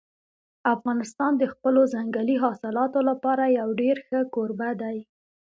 افغانستان د خپلو ځنګلي حاصلاتو لپاره یو ډېر ښه کوربه دی.